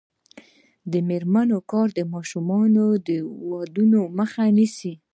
د میرمنو کار د ماشوم ودونو مخه نیسي.